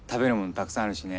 たくさんあるしね。